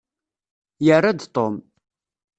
Yerra-d Tom.